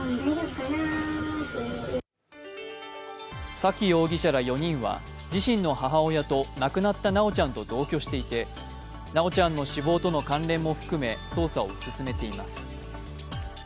沙喜容疑者ら４人は自身の母親と亡くなった修ちゃんと同居していて修ちゃんの死亡との関連も含め、捜査を進めています。